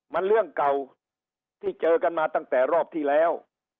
มันเรื่องเก่าที่เจอกันมาตั้งแต่รอบที่แล้ว